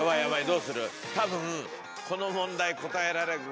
どうする？